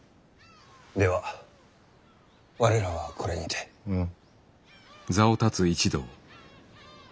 では我らはこれにて。うん。